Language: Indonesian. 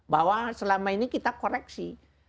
bahwa selama ini kita koreksi